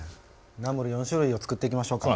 ナムル４種類をつくっていきましょうか。